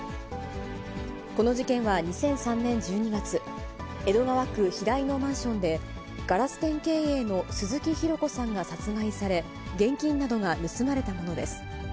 この事件は２００３年１２月、江戸川区平井のマンションで、ガラス店経営の鈴木弘子さんが殺害され、現金などが盗まれたものです。